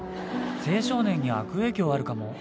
青少年に悪影響あるかも。